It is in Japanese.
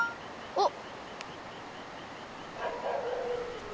おっ！